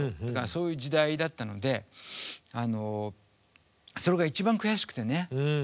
そういう時代だったのでそれが一番悔しくてね。